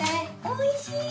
おいしい！